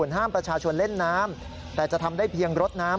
ห้ามประชาชนเล่นน้ำแต่จะทำได้เพียงรถน้ำ